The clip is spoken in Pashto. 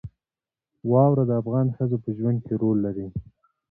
واوره د افغان ښځو په ژوند کې رول لري.